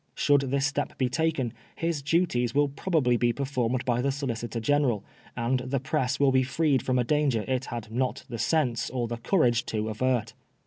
Should this step be taken, his duties will probably be performed by the Solicitor General, and the press will be freed from a danger it had not the sense or the courage to avert.